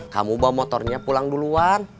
kamu bawa motornya pulang duluan